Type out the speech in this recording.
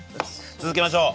続けましょう。